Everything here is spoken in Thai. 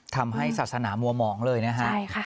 ทำให้ศาสนามัวหมองเลยนะฮะ